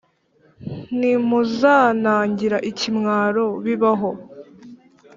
ntimuzanagira ikimwaro bibaho.